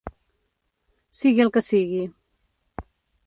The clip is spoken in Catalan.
Sigui el que sigui.